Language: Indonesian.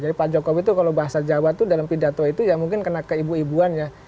jadi pak jokowi itu kalau bahasa jawa itu dalam pidato itu ya mungkin kena ke ibu ibuan ya